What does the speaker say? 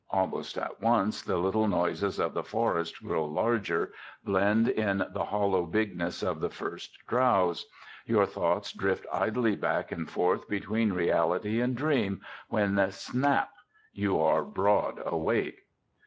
Almost at once the little noises of the forest grow larger, blend in the hollow bigness of the first drowse; your thoughts drift idly back and forth between reality and dream; when snap! you are broad awake!